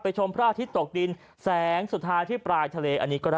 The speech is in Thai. ไปชมพระอาทิตย์ตกดินแสงสุดท้ายที่ปลายทะเล